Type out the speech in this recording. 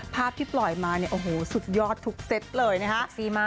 ภาพที่ปล่อยมาเนี่ยโอ้โหสุดยอดทุกเซตเลยนะฮะ